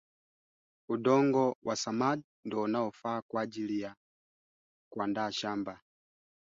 kamishna wa mawasiliano amesema Jumapili